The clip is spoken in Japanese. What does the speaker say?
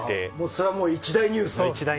それは一大ニュースだ。